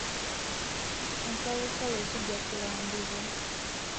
Ensalosalo zijja kulambibwa.